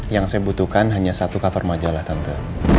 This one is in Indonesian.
yang saya butuhkan hanya satu cover majalah tante